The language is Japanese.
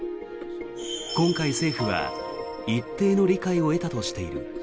今回、政府は一定の理解を得たとしている。